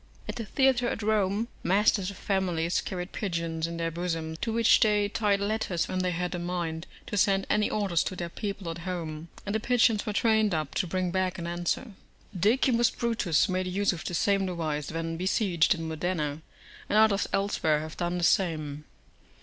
At the theatre at Rome masters of families carried pigeons in their bosoms to which they tied letters when they had a mind to send any orders to their people at home; and the pigeons were trained up to bring back an answer. D. Brutus made use of the same device when besieged in Modena, and others elsewhere have done the same.